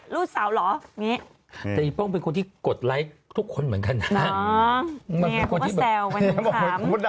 คุณคุณป้องนวัดอยู่ในกรุ๊ปน้ำเลี้ยงไหมที่ห่อย